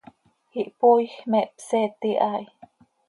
Ihpooij, me hpseeti haa hi.